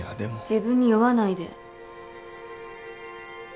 自分に酔わないで。